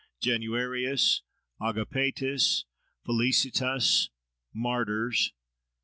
— Januarius, Agapetus, Felicitas; Martyrs!